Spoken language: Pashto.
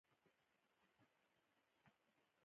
دا کسان په حقیقت کې ټول انسانان دي.